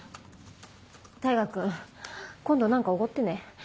大牙君今度何かおごってね。